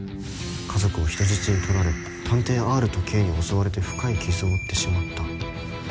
「家族を人質に取られ探偵 Ｒ と Ｋ に襲われて深い傷を負ってしまった」